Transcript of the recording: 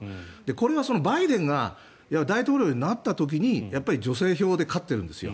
これはバイデンが大統領になった時に女性票で勝ってるんですよ。